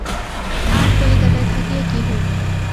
আর কলিকাতায় থাকিয়া কী হইবে?